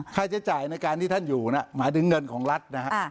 ค่าใช้จ่ายในที่ท่านอยู่น่ะหยิงเงินของรัฐนะครับ